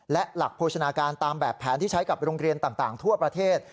และหลักโภชนาการตามแบบแผนที่ใช้กับโรงเรียนต่างทั่วประเทศ